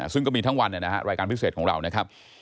ซึ่งก็มีทั้งวันรายการพิเศษของเรานะครับ